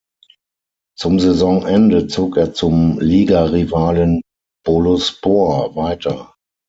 Zum Saisonende zog er zum Ligarivalen Boluspor weiter.